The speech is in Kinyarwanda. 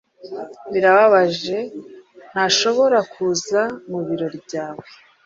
Birababaje ntashobora kuza mubirori byawe.